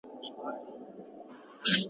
درواغجن حافظه نلري `